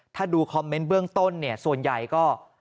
ถ้าดูคอมเมนต์เบื้องต้นเนี่ยส่วนใหญ่ก็